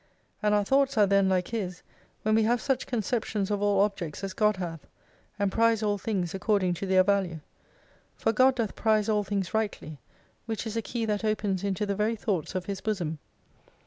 And our thoughts are then like His when we have such conceptions of all objects as God hath, and prize all things according to their value. For God doth prize all things rightly, which is a Key that opens into the very thoughts of His bosom.